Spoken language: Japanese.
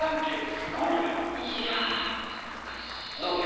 いや難しい。